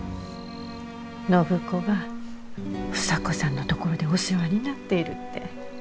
暢子が房子さんの所でお世話になっているって。